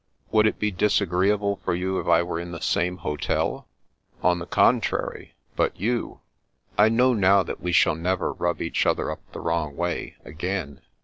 Would it be disagreeable for you if I were in the same hotel ?"" On the contrary. But you "" I know now that we shall never rub each other up the wrong way — again.